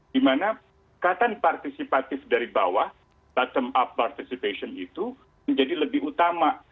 dimana katan partisipatif dari bawah bottom up participation itu menjadi lebih utama